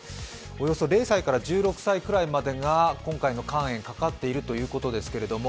およそ０歳から１６歳くらいまでが今回の肝炎にかかっているということです。